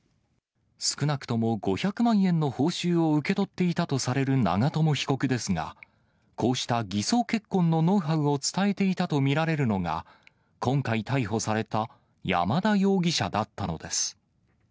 少なくとも５００万円の報酬を受け取っていたとされる長友被告ですが、こうした偽装結婚のノウハウを伝えていたと見られるのが今回逮捕された山田容疑者だったのです。